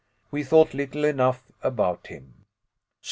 We thought little enough about him.